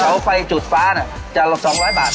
เท่าไฟจุดฟ้าเนี่ยจะลง๒๐๐บาท